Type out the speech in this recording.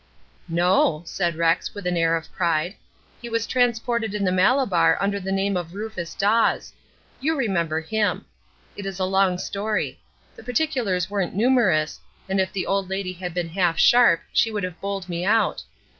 "No," said Rex, with an air of pride. "He was transported in the Malabar under the name of Rufus Dawes. You remember him. It is a long story. The particulars weren't numerous, and if the old lady had been half sharp she would have bowled me out.